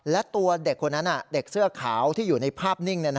และตัวเด็กคนนั้นเด็กเสื้อขาวที่อยู่ในภาพนิ่ง